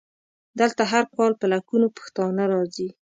دلته هر کال په لکونو پښتانه راځي.